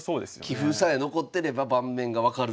棋譜さえ残ってれば盤面が分かるという。